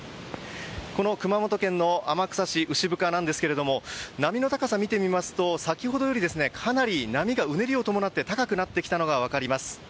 熊本県天草市牛深ですが波の高さを見てみると先ほどよりかなり波がうねりを伴って高くなってきたのが分かります。